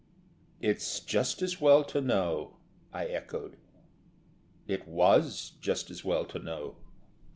"It's just as well to know," I echoed. It was just as well to know.